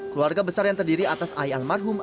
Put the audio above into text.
keluarga besar yang terdiri atas ayah almarhum